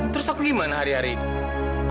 terus aku gimana hari hari ini